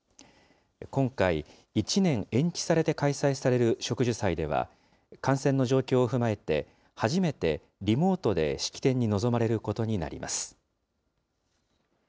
今回、１年延期されて開催される植樹祭では、感染の状況を踏まえて、初めてリモートで式典に臨まれることになります。